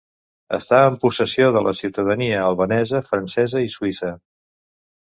Està en possessió de la ciutadania albanesa, francesa i suïssa.